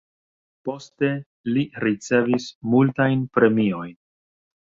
Poste li ricevis multajn premiojn.